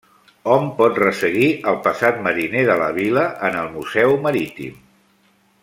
Hom pot resseguir el passat mariner de la vila en el Museu Marítim.